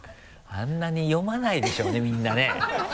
あんなに読まないでしょうねみんなね。